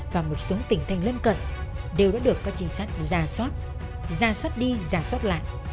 và một số tỉnh thành lân cận đều đã được các trinh sát ra soát ra soát đi giả soát lại